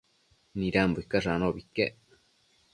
Nidambo icash anobi iquec